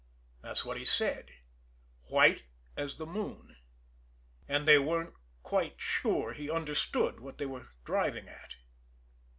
That's what he said white as the moon. And they weren't quite sure he understood what they were driving at.